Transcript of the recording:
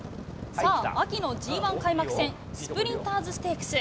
さあ、秋のＧ１開幕戦スプリンターズステークス。